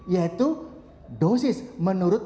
yaitu dosis menurut